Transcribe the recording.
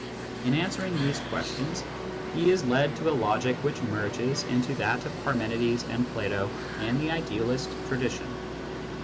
In answering these questions, he is led to a logic which merges into that of Parmenides and Plato and the idealist tradition.